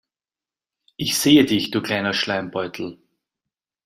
Ich sehe dich, du kleiner Schleimbeutel.